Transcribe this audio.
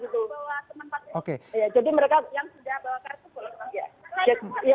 jadi mereka yang sudah bawa kasus boleh